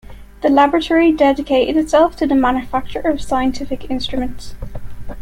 The Laboratory dedicated itself to the manufacture of scientific instruments.